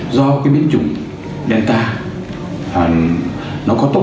do cái biến chủng delta nó có tốc độ lây lan rất nhanh